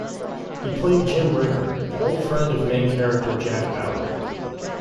He played Jim Ricker, an old friend of main character Jack Bauer.